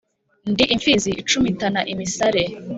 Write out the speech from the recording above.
ndi imfizi icumitana imisare